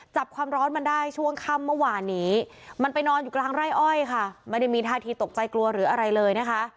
จับความร้อนมันได้ช่วงค่ำเมื่อวานนี้มันไปนอนอยู่กลางไร่อ้อยค่ะไม่ได้มีท่าทีตกใจกลัวหรืออะไรเลยนะคะ